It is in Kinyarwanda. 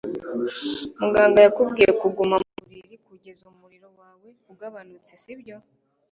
muganga yakubwiye kuguma mu buriri kugeza umuriro wawe ugabanutse, sibyo